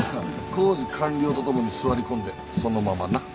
工事完了とともに座り込んでそのままな。